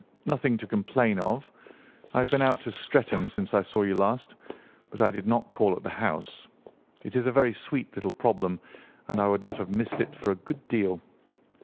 Nothing to complain of. I have been out to Streatham since I saw you last, but I did not call at the house. It is a very sweet little problem, and I would not have missed it for a good deal.